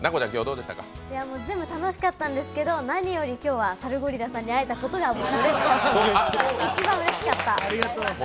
全部楽しかったんですけど今日はなによりサルゴリラさんに会えたことがうれしかったです、一番うれしかったです。